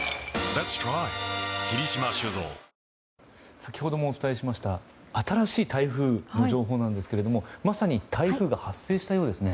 先ほどもお伝えしました新しい台風の情報なんですが、まさに台風が発生したようですね。